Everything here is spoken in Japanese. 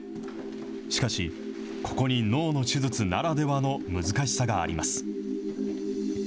しかし、ここに脳の手術ならではの難しさがあります。